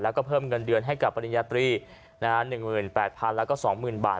แล้วก็เพิ่มเงินเดือนให้กับปริญญาตรี๑๘๐๐๐แล้วก็๒๐๐๐บาท